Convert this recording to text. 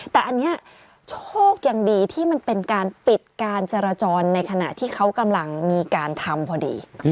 แต่อันนี้โชคยังดีที่มันเป็นการปิดการจราจรในขณะที่เขากำลังมีการทำพอดี